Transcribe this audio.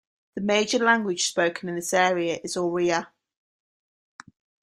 The major language spoken in this area is Oriya.